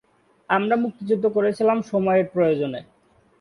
আমরা মুক্তিযুদ্ধ করেছিলাম সময়ের প্রয়োজনে।